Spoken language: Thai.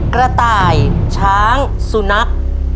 กระต่ายช้างสุนัข